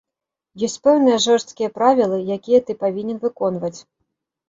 Ёсць пэўныя жорсткія правілы, якія ты павінен выконваць.